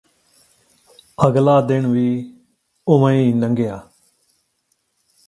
ਅਗਲਾ ਦਿਨ ਵੀ ਓਵੇਂ ਈ ਨੰਘਿਆ